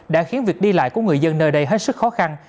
đã khiến việc đi lại của người dân nơi đây hết sức khó khăn